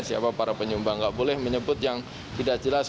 siapa para penyumbang nggak boleh menyebut yang tidak jelas